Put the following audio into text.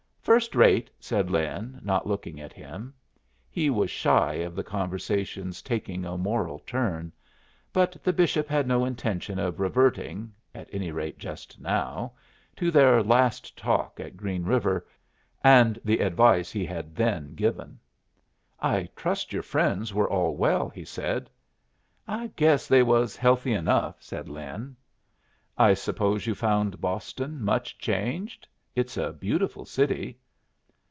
"First rate," said Lin, not looking at him. He was shy of the conversation's taking a moral turn. But the bishop had no intention of reverting at any rate, just now to their last talk at Green River, and the advice he had then given. "I trust your friends were all well?" he said. "I guess they was healthy enough," said Lin. "I suppose you found Boston much changed? It's a beautiful city."